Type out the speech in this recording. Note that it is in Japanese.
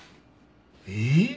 えっ？